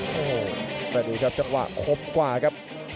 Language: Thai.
โอ้โหแต่ดูครับจังหวะครบกว่าครับ